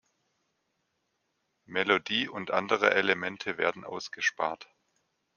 Melodie und andere Elemente werden ausgespart.